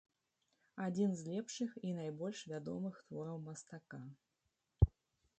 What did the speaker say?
Адзін з лепшых і найбольш вядомых твораў мастака.